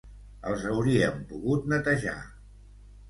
Els hauríem pogut netejar